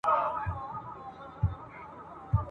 چا پر خرو چا به په شا وړله بارونه ..